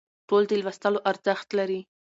ټول د لوستلو ارزښت لري